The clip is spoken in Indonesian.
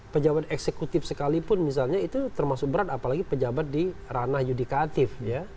pejabat eksekutif sekalipun misalnya itu termasuk berat apalagi pejabat di ranah yudikatif